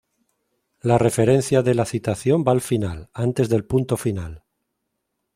La referencia de la citación va al final, antes del punto final.